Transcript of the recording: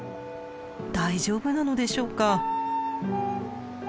大丈夫なのでしょうか。